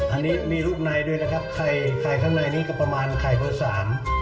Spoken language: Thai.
อันนี้มีลูกในด้วยนะครับไข่ไข่ข้างในนี้ก็ประมาณไข่เบอร์สาม